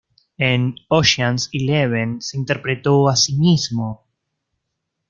En "Ocean's eleven" se interpretó a sí mismo.